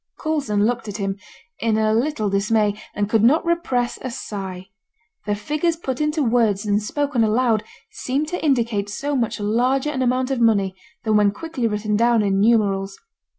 Coulson looked at him in a little dismay, and could not repress a sigh. The figures put into words and spoken aloud seemed to indicate so much larger an amount of money than when quickly written down in numerals.